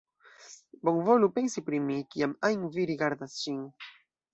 Bonvolu pensi pri mi, kiam ajn vi rigardas ŝin.